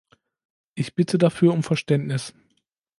Ich bitte dafür um Verständnis.